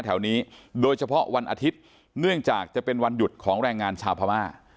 แถวนี้โดยเฉพาะวันอาทิตย์เนื่องจากจะเป็นวันหยุดของแรงงานชาวพม่า